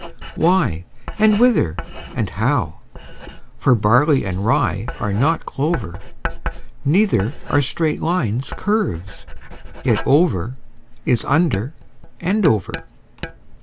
Why, and whither, and how? for barley and rye are not clover: Neither are straight lines curves: yet over is under and over.